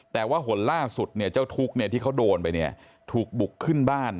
แต่ว่าผลล่าสุดเนี่ยเจ้าทุกข์ที่เขาโดนไปเนี่ยถูกบุกขึ้นบ้าน